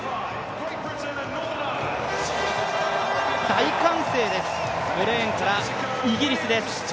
大歓声です、５レーンからイギリスです。